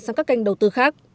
sang các kênh đầu tư khác